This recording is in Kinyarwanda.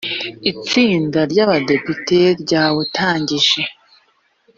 itsinda ry abadepite ryawutangije